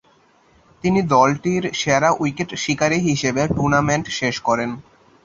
তিনি দলটির সেরা উইকেট শিকারী হিসাবে টুর্নামেন্ট শেষ করেন।